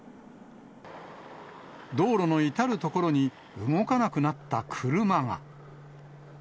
道路の至る所に、動かなくなった車が。